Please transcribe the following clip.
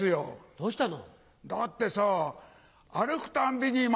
どうしたの？